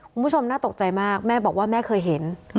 คุณผู้ชมน่าตกใจมากแม่บอกว่าแม่เคยเห็น